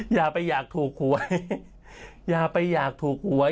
อย่าไปอยากถูกหวยอย่าไปอยากถูกหวย